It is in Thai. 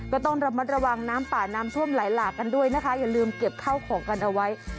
ก็ต้องระมัดระวังน้ำป่าน้ำท่วมไหลหลากกันด้วยนะคะอย่าลืมเก็บข้าวของกันเอาไว้